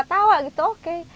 ketawa gitu oke